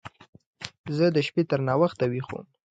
زه د شپې تر ناوخته ويښ وم.